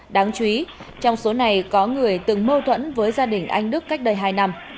đáng chú ý trong số này có người từng mâu thuẫn với gia đình anh đức cách đây hai năm